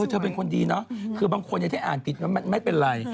เธอเป็นคนดีเนาะคือบางคนที่อ่านผิดไม่เป็นไร